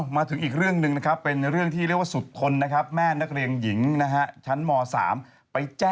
มาถึงอีกเรื่องหนึ่งนะครับเป็นเรื่องที่เรียกว่าสุดทนนะครับแม่นักเรียนหญิงนะฮะชั้นม๓ไปแจ้ง